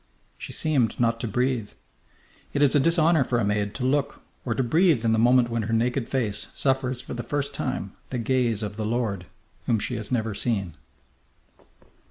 She seemed not to breathe. It is a dishonour for a maid to look or to breathe in the moment when her naked face suffers for the first time the gaze of the lord whom she has never seen.